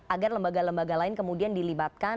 agar lembaga lembaga lain kemudian dilibatkan